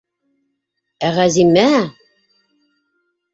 Ә Ғәзимә!